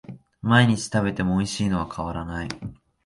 毎日食べてもおいしいのは変わらない